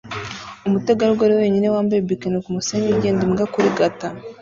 umutegarugori wenyine wambaye bikini kumusenyi ugenda imbwa kurigata